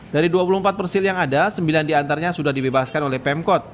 dari dua puluh empat persil yang ada sembilan diantaranya sudah dibebaskan oleh pemkot